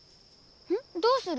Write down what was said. どうする？